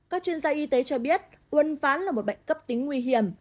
các chuyên gia y tế cho biết uân ván là một bệnh cấp tính nguy hiểm